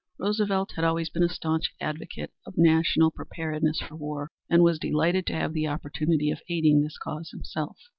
Roosevelt had always been a staunch advocate of national preparedness for war, and was delighted to have the opportunity of aiding this cause himself.